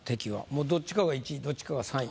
もうどっちかが１位どっちかが３位。